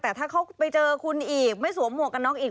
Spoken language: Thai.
แต่ถ้าเขาไปเจอคุณอีกไม่สวมหมวกกันน็อกอีก